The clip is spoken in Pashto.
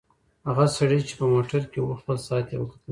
هغه سړی چې په موټر کې و خپل ساعت ته وکتل.